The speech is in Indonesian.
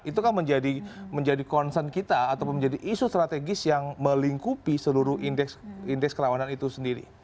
itu kan menjadi concern kita atau menjadi isu strategis yang melingkupi seluruh indeks kerawanan itu sendiri